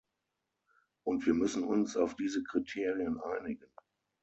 Und wir müssen uns auf diese Kriterien einigen.